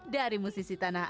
dari musisi tanah